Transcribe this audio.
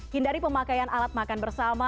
hindari pemakaian alat makan bersama